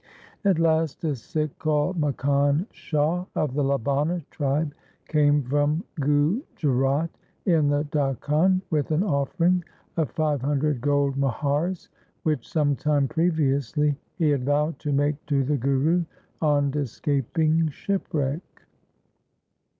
At last a Sikh called Makkhan Shah of the Labana tribe came from Gujrat in the Dakhan 1 with an offering of five hundred gold muhars which some time previously he had vowed to make to the Guru on escaping shipwreck.